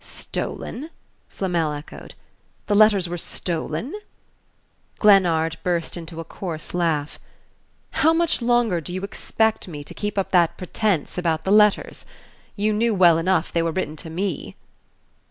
"Stolen?" Flamel echoed. "The letters were stolen?" Glennard burst into a coarse laugh. "How much longer do you expect me to keep up that pretence about the letters? You knew well enough they were written to me."